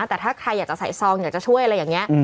แต่ถ้าใครอยากจะใส่ซองอยากจะช่วยอะไรอย่างนี้